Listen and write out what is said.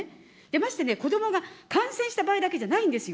まして子どもが感染した場合だけじゃないんですよ。